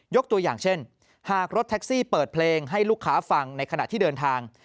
ตัวอย่างเช่นหากรถแท็กซี่เปิดเพลงให้ลูกค้าฟังในขณะที่เดินทาง